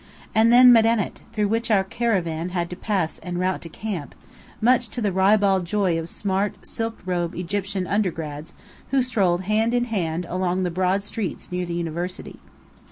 And then Medinet, through which our caravan had to pass en route to camp, much to the ribald joy of smart, silk robed Egyptian "undergrads" who strolled hand in hand along the broad streets near the University.